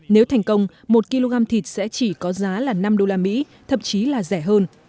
nếu thành công một kg thịt sẽ chỉ có giá là năm đô la mỹ thậm chí là rẻ hơn